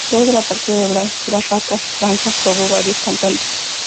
Luego de la partida de Blanch, Rata Blanca probó varios cantantes.